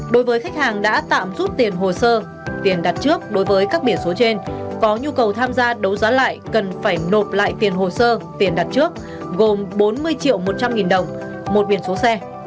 đối với khách hàng đã tạm rút tiền hồ sơ tiền đặt trước đối với các biển số trên có nhu cầu tham gia đấu giá lại cần phải nộp lại tiền hồ sơ tiền đặt trước gồm bốn mươi triệu một trăm linh nghìn đồng một biển số xe